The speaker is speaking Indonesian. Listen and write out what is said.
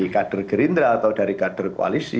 kader gerindra atau dari kader koalisi